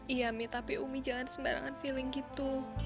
iya mi tapi umi jangan sembarangan feeling gitu